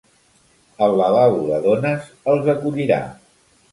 El lavabo de dones els acollirà.